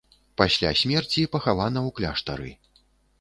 Пасля смерці пахавана ў кляштары.